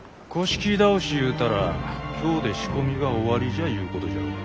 倒しゆうたら今日で仕込みが終わりじゃゆうことじゃろうが。